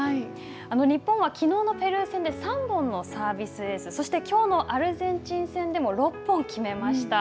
日本はきのうのペルー戦で３本のサービスエース、そしてきょうのアルゼンチン戦でも、６本決めました。